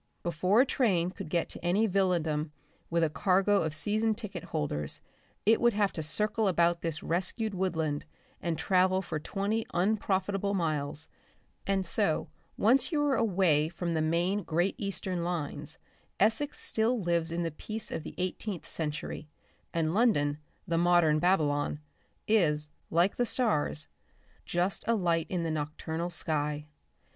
Before a train could get to any villadom with a cargo of season ticket holders it would have to circle about this rescued woodland and travel for twenty unprofitable miles, and so once you are away from the main Great Eastern lines Essex still lives in the peace of the eighteenth century, and London, the modern Babylon, is, like the stars, just a light in the nocturnal sky.